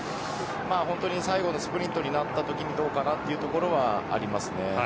最後のスプリントになったときにどうかなというところはあります。